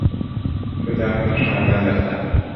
শুধু আপনার সন্তানরা ছাড়া।